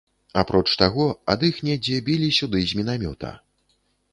Апроч таго, ад іх недзе білі сюды з мінамёта.